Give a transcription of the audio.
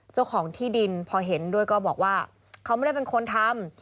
เจ้าของที่ดินพอเห็นด้วยก็บอกว่าเขาไม่ได้เป็นคนทำ